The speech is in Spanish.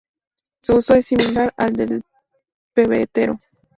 Su uso es similar al del pebetero.